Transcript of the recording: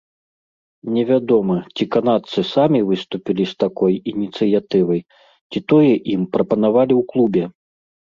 Невядома, ці канадцы самі выступілі з такой ініцыятывай, ці тое ім прапанавалі ў клубе.